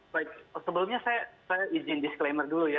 baik sebelumnya saya izin disclaimer dulu ya